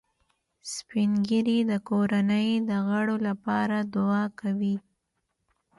سپین ږیری د کورنۍ د غړو لپاره دعا کوي